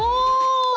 お！